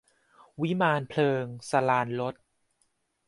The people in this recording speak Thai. วิมานเพลิง - สราญรส